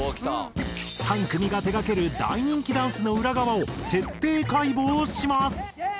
３組が手がける大人気ダンスの裏側を徹底解剖します！